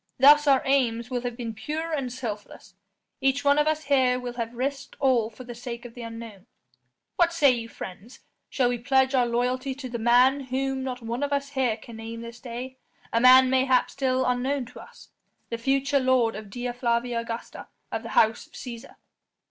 Thus our aims will have been pure and selfless; each one of us here will have risked all for the sake of an unknown. What say you friends? Shall we pledge our loyalty to the man whom not one of us here can name this day a man mayhap still unknown to us: the future lord of Dea Flavia Augusta of the House of Cæsar?"